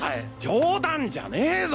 冗談じゃねえぞ！